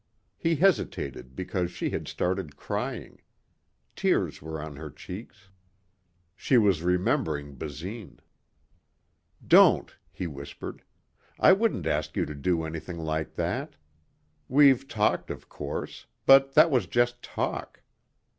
He hesitated because she had started crying. Tears were on her cheeks. She was remembering Basine. "Don't," he whispered. "I wouldn't ask you to do anything like that. We've talked, of course. But that was just talk.